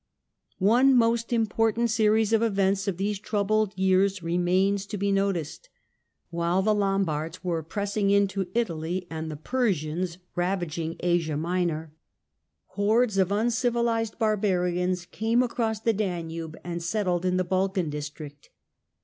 One most important series of events of these troubled years remains to be noticed. While the Lombards were; pressing into Italy and the Persians ravaging Asia Minor, JUSTINIAN 63 hordes of uncivilised barbarians came across the Danube and settled in the Balkan district.